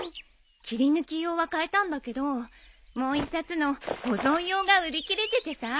切り抜き用は買えたんだけどもう一冊の保存用が売り切れててさ。